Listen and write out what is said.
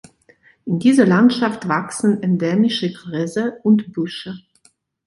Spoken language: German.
In dieser Landschaft wachsen endemische Gräser und Büsche.